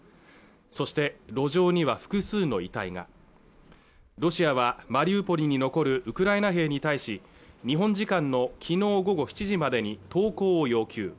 そして路上には複数の遺体がロシアはマリウポリに残るウクライナ兵に対し日本時間のきのう午後７時までに投降を要求